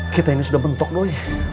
kita ini sudah bentuk doi